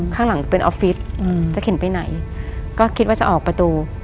ข้างหลังเป็นออฟฟิศจะเข็นไปไหนก็คิดว่าจะออกประตู